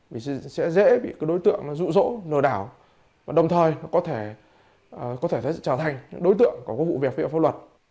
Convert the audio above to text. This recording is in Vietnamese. vì sẽ dễ bị đối tượng rụ rỗ lừa đảo đồng thời có thể trở thành đối tượng của các vụ việc viện pháp luật